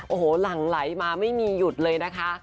โอ้โหหลั่งไหลมาไม่มีหยุดเลยนะคะ